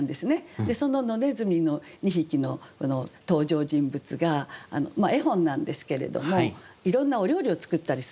その野ねずみの２匹の登場人物が絵本なんですけれどもいろんなお料理を作ったりする。